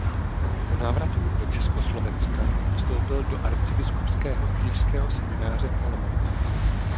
Po návratu do Československa vstoupil do Arcibiskupského kněžského semináře v Olomouci.